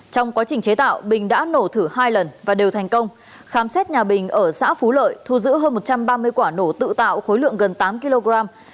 trong quá trình chế tạo bình đã nổ thử hai lần và đều thành công khám xét nhà bình ở xã phú lợi thu giữ hơn một trăm ba mươi quả nổ tự tạo khối lượng gần tám kg